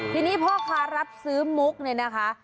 ทีนี้พ่อค้ารับซื้อมุกเนี่ยนะคะ